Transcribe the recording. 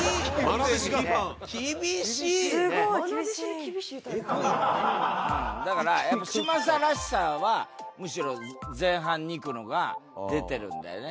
愛弟子に厳しいタイプ？だからやっぱ嶋佐らしさはむしろ前半２句の方が出てるんだよね。